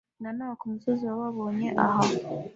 Na Nowa ku misozi ya Babonye aha